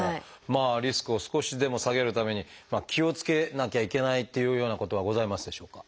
まあリスクを少しでも下げるために気をつけなきゃいけないっていうようなことはございますでしょうか？